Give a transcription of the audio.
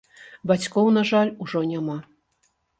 Бацькоў, на жаль, ужо няма.